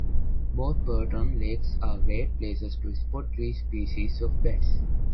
Both Perton lakes are great places to spot three species of bats.